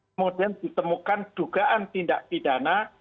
kemudian ditemukan dugaan tindak pidana